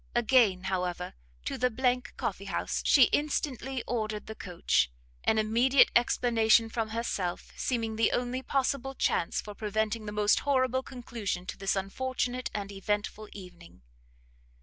Again, however, to the coffee house she instantly ordered the coach, an immediate explanation from herself seeming the only possible chance for preventing the most horrible conclusion to this unfortunate and eventful evening.